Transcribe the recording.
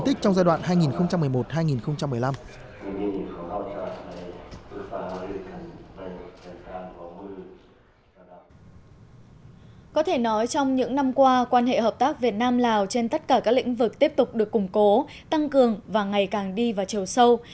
có thể nói trong những năm qua quan hệ hợp tác việt nam lào trên tất cả các lĩnh vực tiếp tục được củng cố tăng cường và ngày càng đi vào chiều sâu